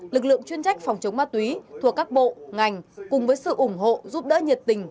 lực lượng chuyên trách phòng chống ma túy thuộc các bộ ngành cùng với sự ủng hộ giúp đỡ nhiệt tình